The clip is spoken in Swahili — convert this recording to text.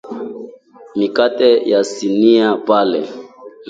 mikate ya sinia pale